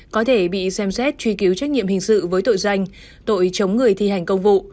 có thể bị xem xét truy cứu trách nhiệm hình sự với tội danh tội chống người thi hành công vụ